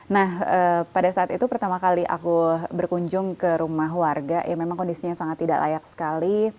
nah pada saat itu pertama kali aku berkunjung ke rumah warga ya memang kondisinya sangat tidak layak sekali